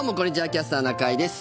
「キャスターな会」です。